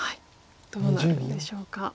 どうなるんでしょうか。